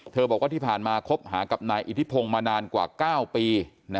บอกว่าที่ผ่านมาคบหากับนายอิทธิพงศ์มานานกว่า๙ปี